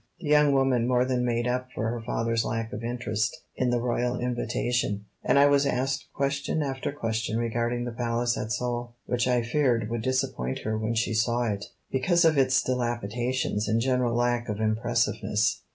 The young woman more than made up for her father's lack of interest in the royal invitation, and I was asked question after question regarding the Palace at Seoul, which I feared would disappoint her when she saw it, because of its dilapidations and general lack of impressiveness.